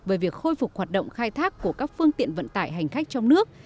về việc khôi phục hoạt động khai thác của các phương tiện vận tải hành khách trong nước